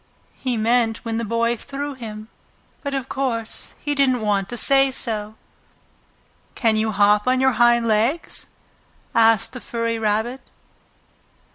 He meant when the Boy threw him, but of course he didn't want to say so. "Can you hop on your hind legs?" asked the furry rabbit.